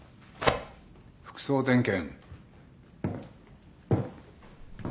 服装点検。